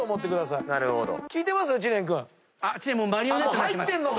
入ってんのか。